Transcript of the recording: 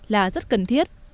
là rất cần thiết